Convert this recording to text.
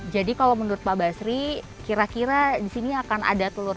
jadi kalau menurut pak basri kira kira di sini akan ada telur